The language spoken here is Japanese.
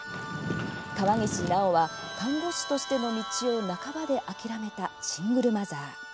川岸奈緒は看護師としての道を半ばで諦めたシングルマザー。